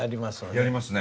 やりますね。